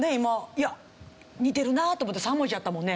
いや似てるなと思って３文字やったもんね。